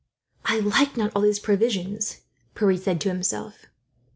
"I like not all these provisions," Pierre said to himself.